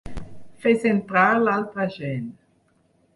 Fes entrar l'altra gent.